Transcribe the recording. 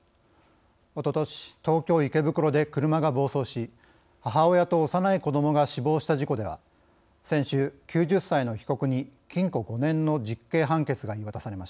おととし東京・池袋で車が暴走し母親と幼い子どもが死亡した事故では先週９０歳の被告に禁錮５年の実刑判決が言い渡されました。